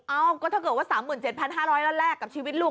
เอ้าก็ถ้าเกิดว่า๓๗๕๐๐แล้วแลกกับชีวิตลูก